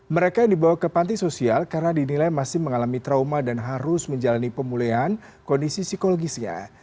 mereka yang dibawa ke panti sosial karena dinilai masih mengalami trauma dan harus menjalani pemulihan kondisi psikologisnya